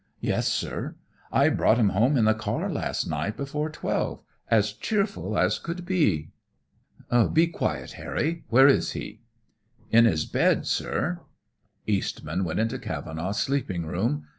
Yes, sir. I brought him home in the car last night, before twelve, as cheerful as could be." "Be quiet, Harry. Where is he?" "In his bed, sir." Eastman went into Cavenaugh's sleeping room.